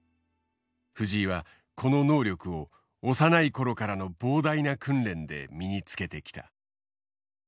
藤井はこの能力を幼い頃からの膨大な訓練で身につけてきた。